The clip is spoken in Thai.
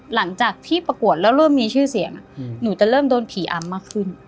หลังจากที่ประกวดแล้วเริ่มมีชื่อเสียงหนูจะเริ่มโดนผีอำมากขึ้น